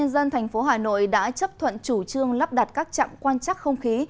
dân thành phố hà nội đã chấp thuận chủ trương lắp đặt các trạm quan chắc không khí